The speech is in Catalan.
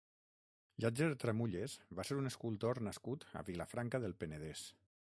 Llàtzer Tramulles va ser un escultor nascut a Vilafranca del Penedès.